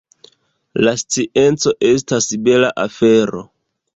La scienco estas bela afero.